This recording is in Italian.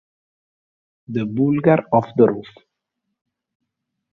The Burglar on the Roof